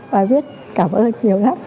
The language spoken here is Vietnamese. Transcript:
bà biết cảm ơn nhiều lắm